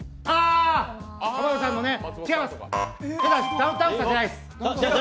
ダウンタウンさんじゃないです。